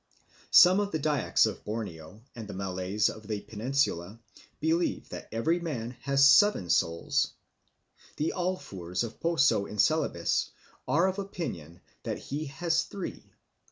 Some of the Dyaks of Borneo and the Malays of the Peninsula believe that every man has seven souls. The Alfoors of Poso in Celebes are of opinion that he has three.